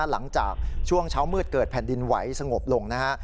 หลังจากช่วงเช้ามืดเกิดแผ่นดินไหวสงบลงนะฮะ